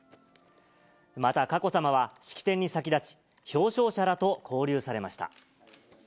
また佳子さまは、式典に先立ち、表彰者らと交流されました。